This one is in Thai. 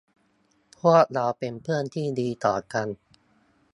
พวกเราเป็นเพื่อนที่ดีต่อกัน